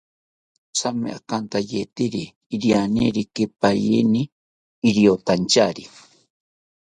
Thame akantawetiri irianerikipaeni riyotantyari